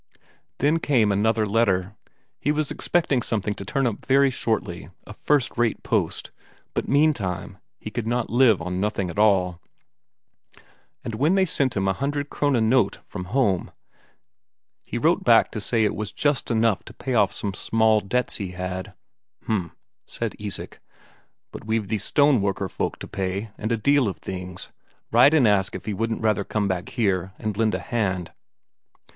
Then came another letter; he was expecting something to turn up very shortly, a first rate post; but meantime, he could not live on nothing at all, and when they sent him a hundred Krone note from home, he wrote back to say it was just enough to pay off some small debts he had.... "H'm," said Isak. "But we've these stoneworker folk to pay, and a deal of things ... write and ask if he wouldn't rather come back here and lend a hand."